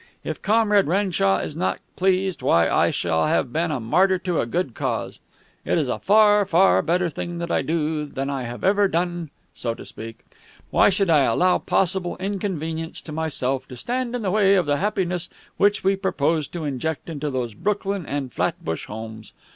If Comrade Renshaw is not pleased, why, I shall have been a martyr to a good cause. It is a far, far better thing that I do than I have ever done, so to speak. Why should I allow possible inconvenience to myself to stand in the way of the happiness which we propose to inject into those Brooklyn and Flatbush homes?